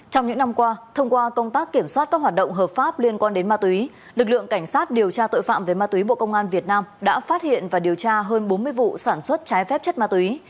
trong những năm qua thông qua công tác kiểm soát các hoạt động hợp pháp liên quan đến ma túy lực lượng cảnh sát điều tra tội phạm về ma túy bộ công an việt nam đã phát hiện và điều tra hơn bốn mươi vụ sản xuất trái phép chất ma túy